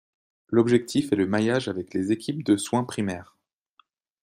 L’objectif est le maillage avec les équipes de soin primaires.